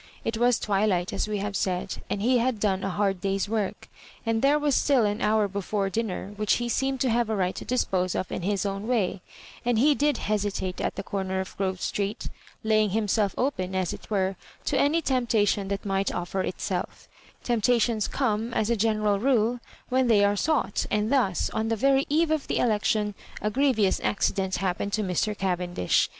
It was twilight, as we have said, and he had done a hard day's work, and there was still an hour before dinner which he seemed to have a right to dispose of in his own way; and he did hesi tate at the corner of Grove Street, laying himself open, as it were, to any temptation that might oner itselC Temptations come, as a general rule, when they are sought; and thus, on the very eve of the election, a grievous accident happen ed to Mr. Cavendish.